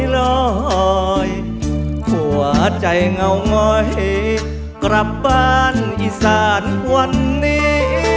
ลอยหัวใจเงางอยกลับบ้านอีสานวันนี้